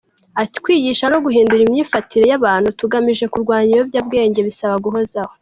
Ati “Kwigisha no guhindura imyifatire y’abantu tugamije kurwanya ibiyobyabwenge bisaba guhozaho.